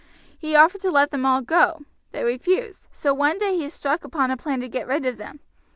He offered to let them all go. They refused. So one day he struck upon a plan to get rid of them.